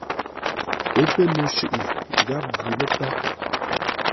Ə́ pə́́ no shʉʼʉ gháp ghʉ lə́ páp.